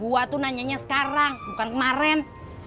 gue tuh nanyanya sekarang bukan kemarin